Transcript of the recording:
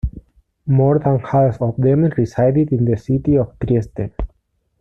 More than half of them resided in the city of Trieste.